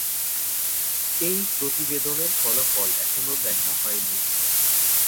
এই প্রতিবেদনের ফলাফল এখনও দেখা হয়নি।